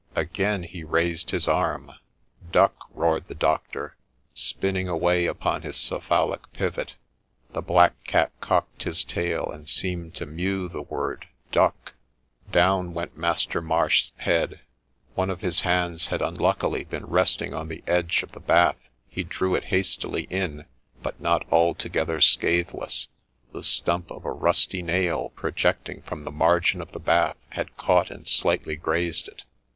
Again he raised his arm. ' Duck !' roared the Doctor, spinning away upon his cephalic pivot : the black cat cocked his tail, and seemed to mew the word ' Duck !' Down went Master Marsh's head ;— one of his hands had unluckily been resting on the edge of the bath : he drew it hastily in, but not altogether scatheless ; the stump of a rusty nail, projecting from the margin of the bath, had caught and slightly grazed it.